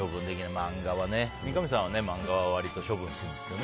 三上さんは漫画は割と処分するんですよね。